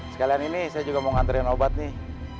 sekalian ini saya juga mau ngantriin obat nih